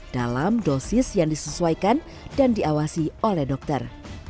dalam dosis yang disesuaikan dan diawasi oleh dokter